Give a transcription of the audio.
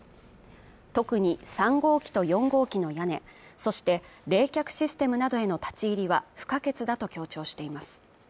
特に３号機と４号機の屋根、そして冷却システムなどへの立ち入りは不可欠だと強調しています